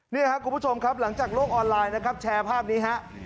นี่ค่ะคุณผู้ชมครับหลังจากโลกออนไลน์แชร์ภาพนี้ครับ